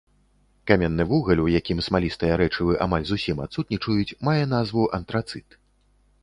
Каменны вугаль у якім смалістыя рэчывы амаль зусім адсутнічаюць, мае назву антрацыт.